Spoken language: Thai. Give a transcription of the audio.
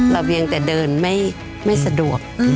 ระเวียงแต่เดินไม่สะดวก